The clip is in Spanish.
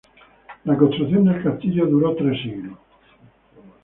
La construcción del castillo duró tres siglos.